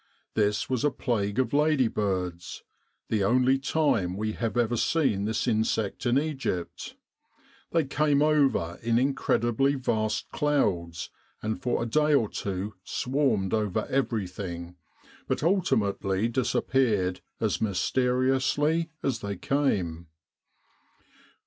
This was a plague of ladybirds the only time we have ever seen this insect in Egypt. They came over in incredibly vast clouds and for a day or two swarmed over everything, but ultimately disappeared as mysteriously as they came.